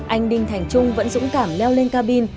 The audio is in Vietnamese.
anh đinh thành trung vẫn dũng cảm leo lên cabin